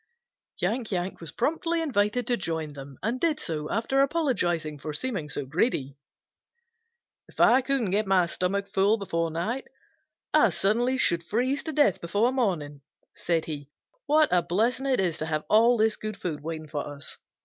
Yank Yank was promptly invited to join them and did so after apologizing for seeming so greedy. "If I couldn't get my stomach full before night, I certainly should freeze to death before morning," said he. "What a blessing it is to have all this good food waiting for us.